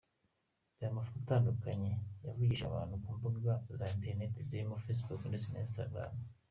Reba amafoto atandukanye yavugishije abantu ku mbuga za interinet zirimo facebook ndetse na Instagram.